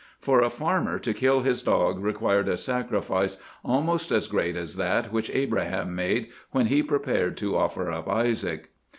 For a farmer to kill his dog required a sacrifice almost as great as that which Abraham made when he prepared to offer up Isaac.